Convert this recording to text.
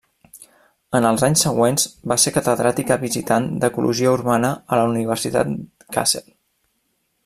En els anys següents va ser catedràtica visitant d'ecologia urbana a la Universitat Kassel.